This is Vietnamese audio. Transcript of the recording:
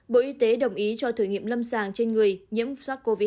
bộ y tế đồng ý cho thử nghiệm lâm sàng trên người nhiễm sắc covid hai